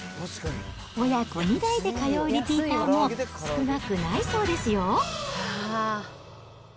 親子２代で通うリピーターも少なくないそうですよ。